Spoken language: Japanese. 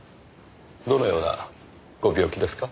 どのようなご病気ですか？